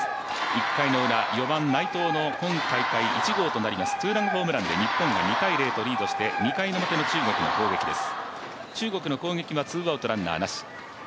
１回のウラ、４番・内藤の今大会１号となりますツーランホームランで日本が２−０とリードして２回の表の中国の攻撃です。